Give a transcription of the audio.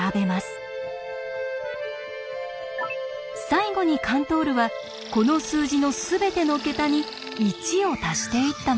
最後にカントールはこの数字のすべての桁に１を足していったのです。